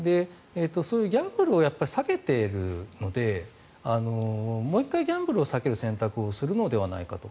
そういうギャンブルを避けているのでもう１回ギャンブルを避ける選択をするのではないかと。